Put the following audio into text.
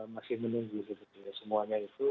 masih menunggu semuanya itu